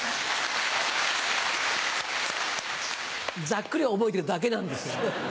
ざっくり覚えてるだけなんですよ。